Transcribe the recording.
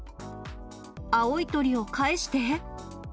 青い鳥を返して。